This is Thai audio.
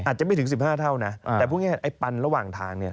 อาจจะไม่ถึง๑๕เท่านะแต่พูดง่ายไอ้ปันระหว่างทางเนี่ย